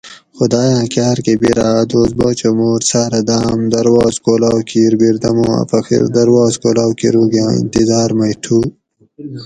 خُداۤیاۤں کاۤر کہ بیراۤ اۤدوس باچہ مُور ساۤرہ داۤم درواز کولاؤ کیر بیردمُو اۤ فقیر درواز کولاؤ کروگاۤں انتظاۤر مئ تھُو